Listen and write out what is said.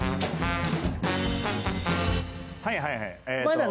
はいはいはい。